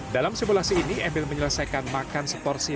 saya tujuh puluh delapan menit saya memang makannya agak cepat sih